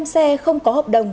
tám mươi năm xe không có hợp đồng